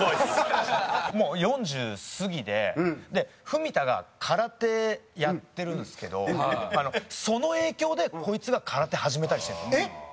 もう４０過ぎで文田が空手やってるんですけどその影響でこいつが空手始めたりしてるんですよ。